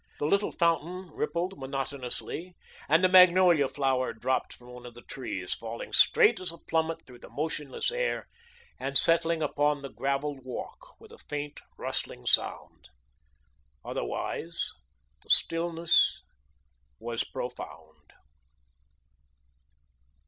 The little fountain rippled monotonously, and a magnolia flower dropped from one of the trees, falling straight as a plummet through the motionless air, and settling upon the gravelled walk with a faint rustling sound. Otherwise the stillness was profound.